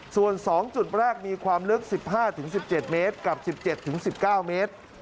ส่วน๒จุดแรกมีความลึก๑๕๑๗เมตรกับ๑๗๑๙เมตร